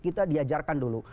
kita diajarkan dulu